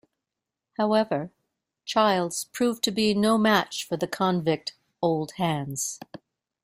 However, Childs proved to be no match for the convict 'old hands'.